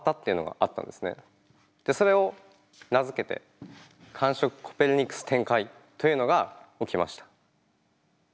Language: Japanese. それを名付けて完食コペルニクス転回というのが起きました。